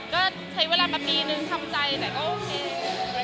ก็ใช้เวลามาปีนึงทำใจแต่ก็โอเค